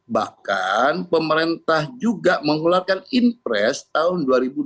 bahkan pemerintah juga mengularkan inpress tahun dua ribu dua puluh satu